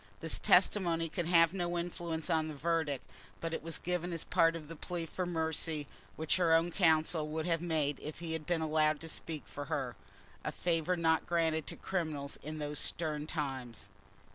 This testimony could have no influence on the verdict, but it was given as part of that plea for mercy which her own counsel would have made if he had been allowed to speak for her—a favour not granted to criminals in those stern times.